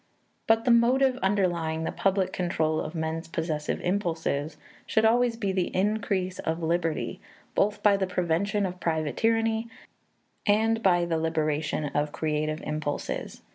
But the motive underlying the public control of men's possessive impulses should always be the increase of liberty, both by the prevention of private tyranny and by the liberation of creative impulses.